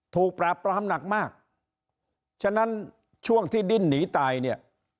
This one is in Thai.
ถูกปราบปรามหนักมากฉะนั้นช่วงที่ดิ้นหนีตายเนี่ย